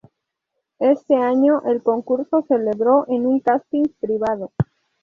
Este año el concurso, celebró en un casting privado.